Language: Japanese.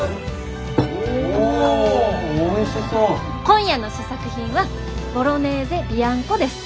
今夜の試作品はボロネーゼビアンコです！